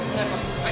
はい